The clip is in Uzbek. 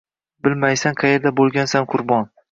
Bilmaysan qayerda bo‘lgansan qurbon.